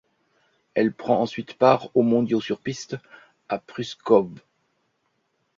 Elle prend ensuite part aux mondiaux sur piste, à Pruszków.